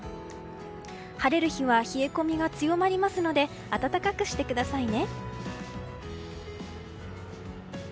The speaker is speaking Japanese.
晴れる日は冷え込みが強まりますので温かくしてくださいね。